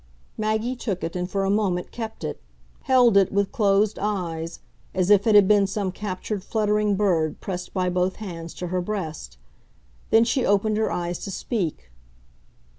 Maggie took it and for a moment kept it; held it, with closed eyes, as if it had been some captured fluttering bird pressed by both hands to her breast. Then she opened her eyes to speak.